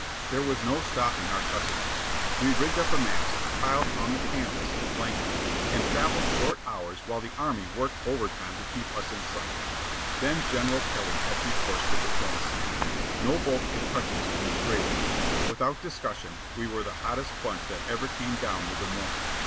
There was no stopping our cussedness. We rigged up a mast, piled on the canvas (blankets), and travelled short hours while the Army worked over time to keep us in sight. Then General Kelly had recourse to diplomacy. No boat could touch us in the straight away. Without discussion, we were the hottest bunch that ever came down the Des Moines.